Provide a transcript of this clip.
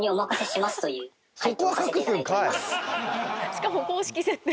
しかも公式設定。